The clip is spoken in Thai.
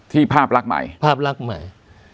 ที่ภาพลักษณ์ใหม่